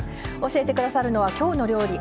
教えて下さるのは「きょうの料理」